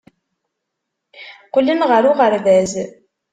Qqlen ɣer uɣerbaz.